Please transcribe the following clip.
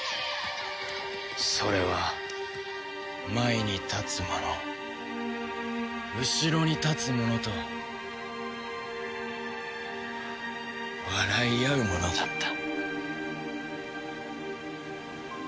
それは前に立つ者後ろに立つ者と笑い合う者だった。